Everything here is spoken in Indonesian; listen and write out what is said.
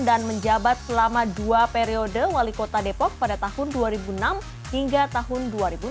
dan menjabat selama dua periode wali kota depok pada tahun dua ribu enam hingga tahun dua ribu enam belas